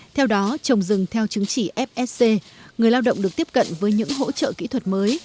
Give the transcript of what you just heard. theo đó trồng rừng theo chứng chỉ fsc người lao động được tiếp cận với những hỗ trợ kỹ thuật mới